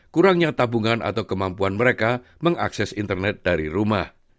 kurangnya tabungan atau kemampuan mereka mengakses internet dari rumah